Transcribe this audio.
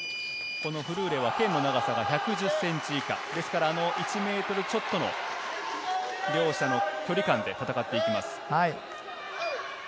フルーレは剣の長さが１１０ｃｍ以下ですから、１ｍちょっとの両者の距離感で戦っていきます。